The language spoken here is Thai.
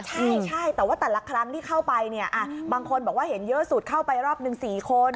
ใช่แต่ว่าแต่ละครั้งที่เข้าไปเนี่ยบางคนบอกว่าเห็นเยอะสุดเข้าไปรอบหนึ่ง๔คน